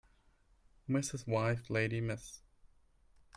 Mrs. wife lady Miss